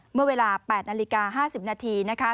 เมื่อเวลา๘นาฬิกา๕๐นาทีนะคะ